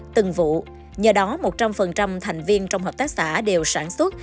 từng vụ nhờ đó một trăm linh thành viên trong hợp tác xã đều sản xuất